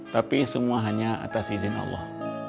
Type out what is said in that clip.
tapi semua hanya atas izin allah